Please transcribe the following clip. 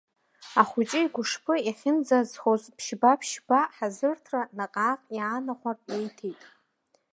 Ахәыҷы игәышԥы иахьынӡазхоз ԥшьба-ԥшьба ҳазырҭра наҟ-ааҟ иаанахәартә еиҭеит.